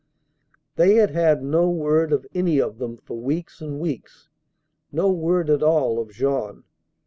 They had had no word of any of them for weeks and weeks ; no word at all of Jean.